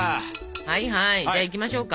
はいはいじゃあいきましょうか。